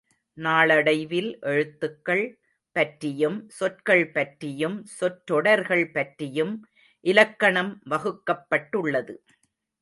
நாளடைவில், எழுத்துகள் பற்றியும் சொற்கள் பற்றியும் சொற்றொடர்கள் பற்றியும் இலக்கணம் வகுக்கப்பட்டுள்ளது.